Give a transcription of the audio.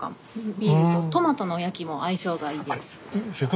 ビールとトマトのおやきも相性がいいです。